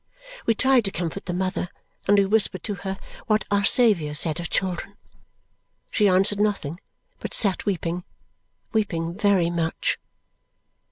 We tried to comfort the mother, and we whispered to her what Our Saviour said of children. She answered nothing, but sat weeping weeping very much.